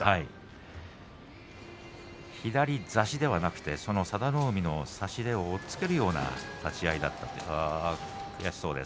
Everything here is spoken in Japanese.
左差しではなくて佐田の海の差し手を押っつけるような立ち合いだったということです。